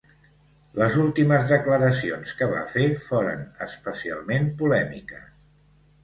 Les últimes declaracions que va fer foren especialment polèmiques.